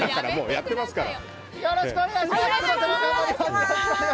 よろしくお願いします！